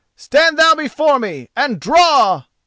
Stand thou before me and draw!"